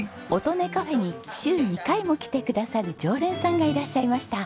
音音かふぇに週２回も来てくださる常連さんがいらっしゃいました。